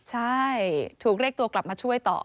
ใช่ถูกเรียกตัวกลับมาช่วยต่อ